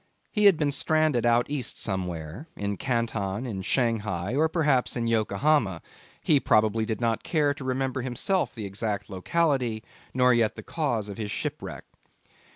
He had been stranded out East somewhere in Canton, in Shanghai, or perhaps in Yokohama; he probably did not care to remember himself the exact locality, nor yet the cause of his shipwreck.